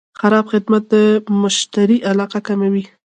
خراب خدمت د مشتری علاقه کموي.